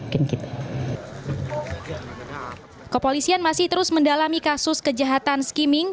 kepolisian masih terus mendalami kasus kejahatan skimming